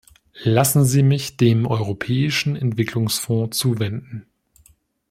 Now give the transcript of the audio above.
Lassen Sie mich dem Europäischen Entwicklungsfonds zuwenden.